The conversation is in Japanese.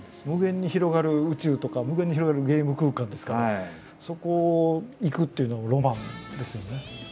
無限に広がる宇宙とか無限に広がるゲーム空間ですからそこを行くっていうのはロマンですよね。